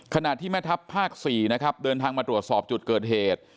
ขณะที่แม่ทัพภาค๔นะครับเดินทางมาตรวจสอบจุดเกิดเหตุ